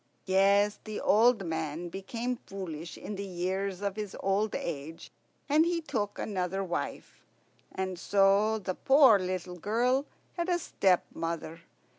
Yes, the old man became foolish in the years of his old age, and he took another wife. And so the poor little girl had a stepmother.